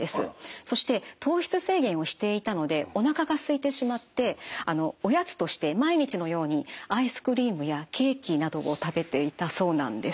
そして糖質制限をしていたのでおなかがすいてしまっておやつとして毎日のようにアイスクリームやケーキなどを食べていたそうなんです。